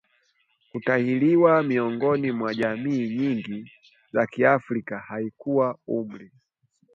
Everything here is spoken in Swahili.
kutahiriwa miongoni mwa jamii nyingi za Kiafrika haikuwa umri